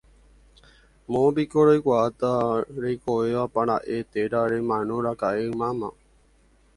moõpiko roikuaáta reikovevápara'e térã remanoraka'e ymáma